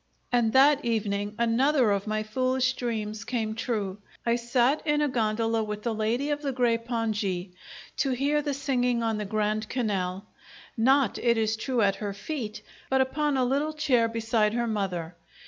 And that evening another of my foolish dreams came true! I sat in a gondola with the lady of the grey pongee to hear the singing on the Grand Canal; not, it is true, at her feet, but upon a little chair beside her mother.